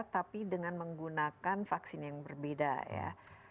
tapi dengan menggunakan vaksin yang berbeda ya